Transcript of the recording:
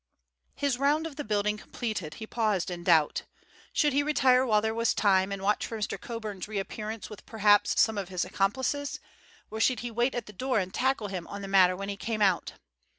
His round of the building completed, he paused in doubt. Should he retire while there was time, and watch for Mr. Coburn's reappearance with perhaps some of his accomplices, or should he wait at the door and tackle him on the matter when he came out?